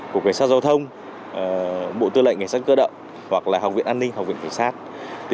cục cảnh sát giao thông bộ tư lệnh cảnh sát cơ động hoặc là học viện an ninh học viện cảnh sát